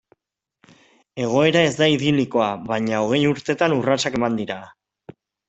Egoera ez da idilikoa, baina hogei urtetan urratsak eman dira.